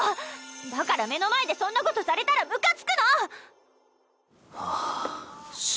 だから目の前でそんなことされたらムカつくの！